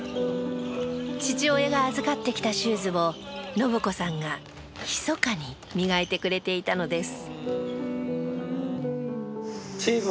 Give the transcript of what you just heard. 父親が預かってきたシューズを信子さんがひそかに磨いてくれていたのです。